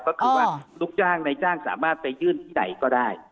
ก็คือว่าลูกจ้างในจ้างสามารถไปยื่นที่ไหนก็ได้